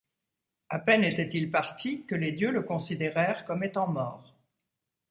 À peine était-il parti que les dieux le considérèrent comme étant mort.